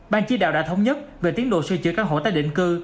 ban chí đạo đã thống nhất về tiến độ xây dựa các hộ tác định cư